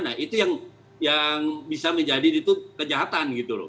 nah itu yang bisa menjadi itu kejahatan gitu loh